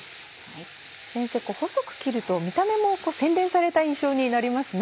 先生細く切ると見た目も洗練された印象になりますね。